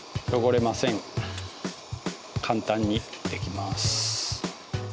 簡単にできます。